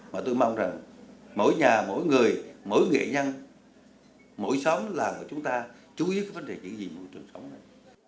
mà tôi mong rằng mỗi nhà mỗi người mỗi nghệ nhân mỗi xóm làng của chúng ta chú ý với vấn đề kỷ niệm môi trường sống này